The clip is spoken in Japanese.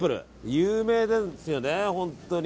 有名なんですよね、本当に。